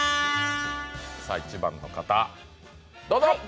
１番の方、どうぞ。